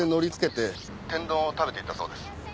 「天丼を食べていたそうです」